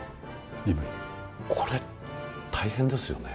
これ大変ですよね。